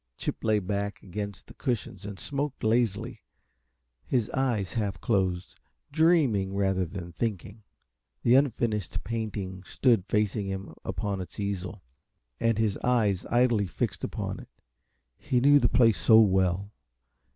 Chip lay back against the cushions and smoked lazily, his eyes half closed, dreaming rather than thinking. The unfinished painting stood facing him upon its easel, and his eyes idly fixed upon it. He knew the place so well.